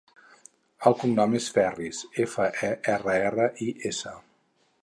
El cognom és Ferris: efa, e, erra, erra, i, essa.